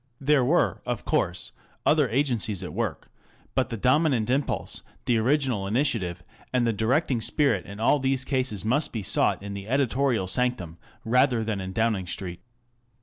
There were of course other agencies at work ; but the dominant impulse, the original initiative, and the directing spirit in all these cases must be sought in the editorial sanctum rather than in Downing Street.